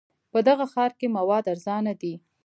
په دغه ښار کې مواد ارزانه دي.